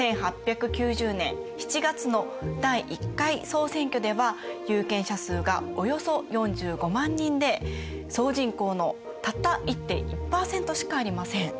１８９０年７月の第１回総選挙では有権者数がおよそ４５万人で総人口のたった１．１％しかありません。